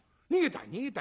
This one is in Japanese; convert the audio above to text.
「逃げた？」。